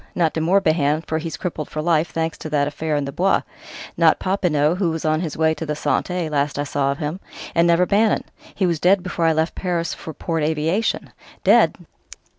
Not De Morbihan, for he's crippled for life, thanks to that affair in the Bois; not Popinot, who was on his way to the Santé, last I saw of him; and never Bannon he was dead before I left Paris for Port Aviation." "Dead!"